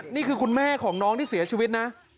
นี่คือคุณแม่ของน้องที่เสียชีวิตนะ